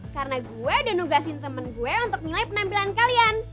karena gue udah nugasin temen gue untuk nilai penampilan kalian